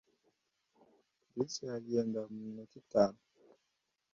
Bisi iragenda muminota itanu.